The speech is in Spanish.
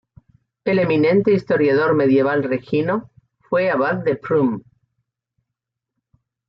El eminente Historiador medieval Regino fue Abad de Prüm.